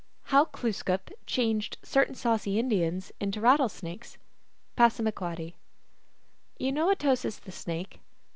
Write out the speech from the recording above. How Glooskap changed Certain Saucy Indians into Rattle snakes. (Passamaquoddy.) You know At o sis, the Snake?